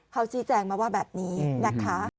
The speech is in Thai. เขาชี้แจงมาว่าแบบนี้นะคะ